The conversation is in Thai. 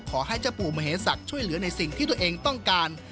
ขอให้เจ้าปู่มเหศักดิ์ช่วยเหลือในสิ่งที่ตัวเองต้องการ